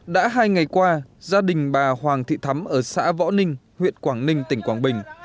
đã hai ngày qua gia đình bà hoàng thị thắm ở xã võ ninh huyện quảng ninh tỉnh quảng bình